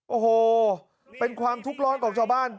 โอ้โหเป็นความทุกข์ร้อนของชาวบ้าน